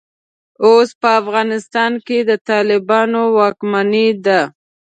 اوس په افغانستان کې د طالبانو واکمني ده.